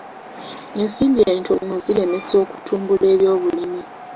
Ensimbi entono ziremesa okutumbula ebyobulimi.